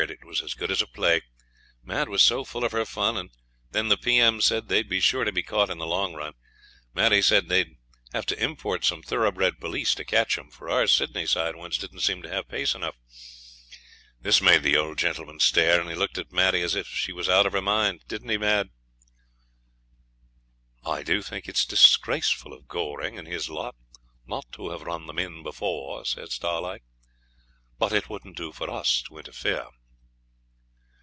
it was as good as a play. Mad was so full of her fun, and when the P.M. said they'd be sure to be caught in the long run, Maddie said they'd have to import some thoroughbred police to catch 'em, for our Sydney side ones didn't seem to have pace enough. This made the old gentleman stare, and he looked at Maddie as if she was out of her mind. Didn't he, Mad?' 'I do think it's disgraceful of Goring and his lot not to have run them in before,' says Starlight, 'but it wouldn't do for us to interfere.'